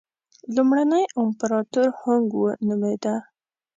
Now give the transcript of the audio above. لومړنی امپراتور هونګ وو نومېده.